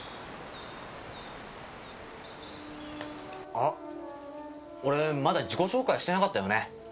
あ俺まだ自己紹介してなかったよね。